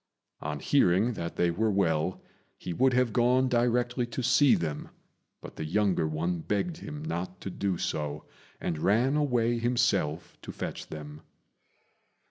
On hearing that they were well, he would have gone directly to see them; but the younger one begged him not to do so, and ran away himself to fetch them.